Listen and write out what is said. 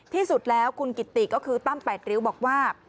ที่สุดแล้วคุณกิติก็คือตั้ม๘ริ้วบอกว่า